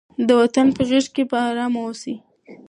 د وطن په غېږ کې په ارامه اوسئ.